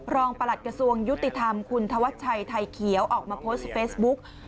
ประหลัดกระทรวงยุติธรรมคุณธวัชชัยไทยเขียวออกมาโพสต์เฟซบุ๊ก